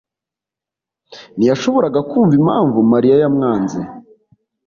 ntiyashoboraga kumva impamvu Mariya yamwanze.